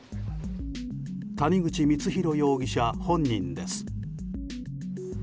谷口光弘容疑者、本人です。